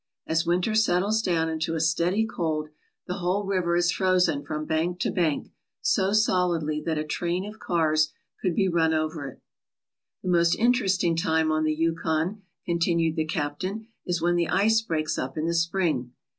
As winter settles down into a steady cold, the whole river is frozen from bank to bank, so solidly that a train of cars could be run over it. "The most interesting time on the Yukon/' continued the captain, "is when the ice breaks up in the spring.